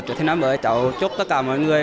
trước thì năm mới cháu chúc tất cả mọi người